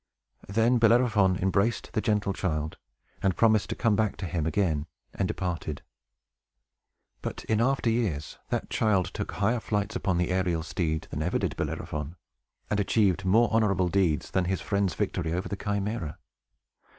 Then Bellerophon embraced the gentle child, and promised to come to him again, and departed. But, in after years, that child took higher flights upon the aerial steed than ever did Bellerophon, and achieved more honorable deeds than his friend's victory over the Chimæra.